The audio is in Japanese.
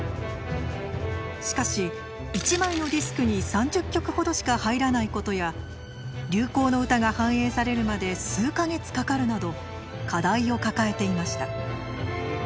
しかし１枚のディスクに３０曲ほどしか入らないことや流行の歌が反映されるまで数か月かかるなど課題を抱えていました。